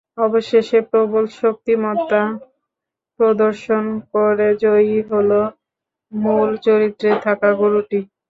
অবশেষে প্রবল শক্তিমত্তা প্রদর্শন করে জয়ী হলো মূল চরিত্রে থাকা গরুটি।